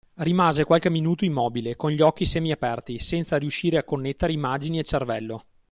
Rimase qualche minuto immobile, con gli occhi semiaperti, senza riuscire a connettere immagini e cervello.